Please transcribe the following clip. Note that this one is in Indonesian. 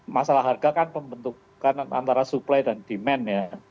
masalah harga kan pembentukan antara supply dan demand ya